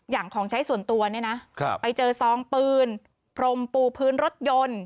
ของใช้ส่วนตัวเนี่ยนะไปเจอซองปืนพรมปูพื้นรถยนต์